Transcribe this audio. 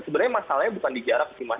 sebenarnya masalahnya bukan di jarak sih mas